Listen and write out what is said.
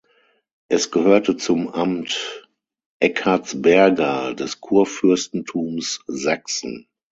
Es gehörte zum Amt Eckartsberga des Kurfürstentums Sachsen.